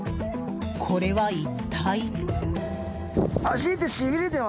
これは一体？